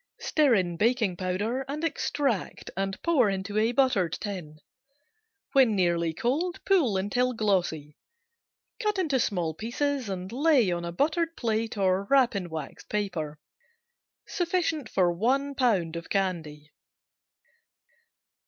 Stir in baking powder and extract and pour into a buttered tin. When nearly cold pull until glossy. Cut into small pieces and lay on a buttered plate or wrap in wax paper. Sufficient for one pound of candy.